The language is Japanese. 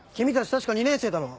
確か２年生だろ？